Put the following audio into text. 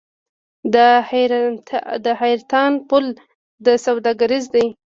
د حیرتان پل سوداګریز دی